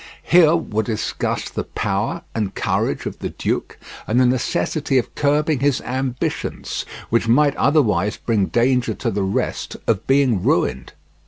Here were discussed the power and courage of the duke and the necessity of curbing his ambitions, which might otherwise bring danger to the rest of being ruined.